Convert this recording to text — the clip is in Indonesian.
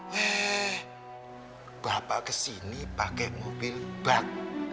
weh bapak kesini pakai mobil bak